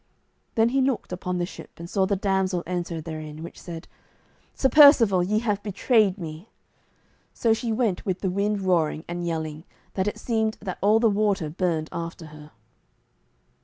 Then he looked upon the ship, and saw the damsel enter therein, which said, "Sir Percivale, ye have betrayed me." So she went with the wind roaring and yelling, that it seemed that all the water burned after her.